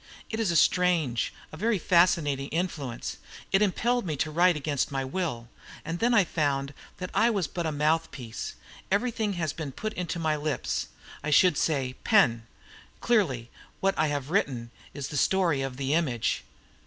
It is a strange, a very fascinating influence. It impelled me to write against my will; and then I found that I was but a mouthpiece. Everything has been put into my lips I should say, pen. Clearly, what I have written is the story of the image."